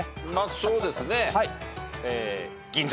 そうですね。